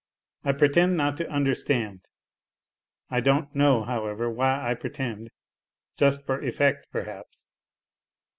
I pretend not to understand (I don't know, however, why I pretend, just for effect, perhaps).